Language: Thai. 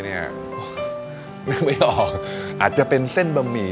นึกไม่ออกอาจจะเป็นเส้นบะหมี่